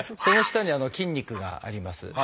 その下に筋肉があります。